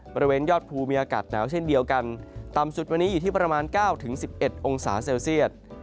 บริเวณยอดภูมีอากาศหนาวเช่นเดียวกันต่ำสุดวันนี้อยู่ที่ประมาณ๙๑๑องศาเซลเซียต